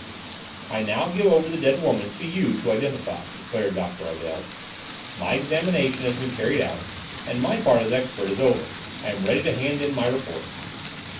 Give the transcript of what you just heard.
"I now give over the dead woman to you to identify," declared Doctor Ardel. "My examination has been carried out and my part as expert is over I am ready to hand in my report."